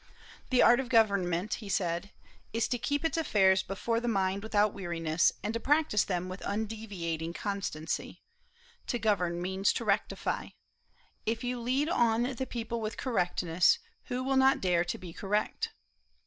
"The art of government," he said, "is to keep its affairs before the mind without weariness, and to practise them with undeviating constancy.... To govern means to rectify. If you lead on the people with correctness, who will not dare to be correct?"